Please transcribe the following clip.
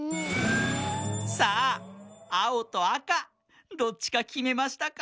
さああおとあかどっちかきめましたか？